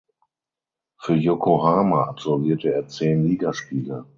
Für Yokohama absolvierte er zehn Ligaspiele.